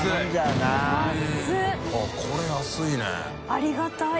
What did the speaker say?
ありがたい。